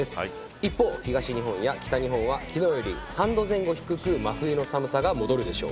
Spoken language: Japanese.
一方、東日本や北日本は昨日より３度前後低く真冬の寒さが戻るでしょう。